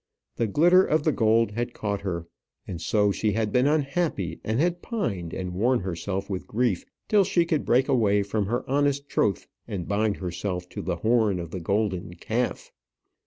The glitter of the gold had caught her; and so she had been unhappy, and had pined, and worn herself with grief till she could break away from her honest troth, and bind herself to the horn of the golden calf.